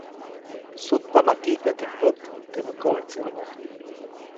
Sutpa ma kijpya teʼ pät temä koʼetseʼomo.